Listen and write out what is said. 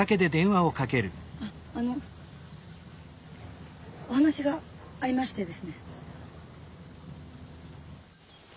あっあのお話がありましてですね。